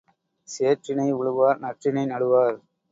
சேற்றினை உழுவார் நற்றினை நடுவார்